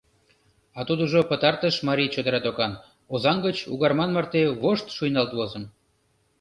А тудыжо пытартыш марий чодыра докан, Озаҥ гыч Угарман марте вошт шуйналт возын.